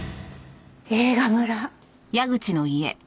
映画村。